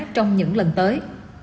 trong những lần tới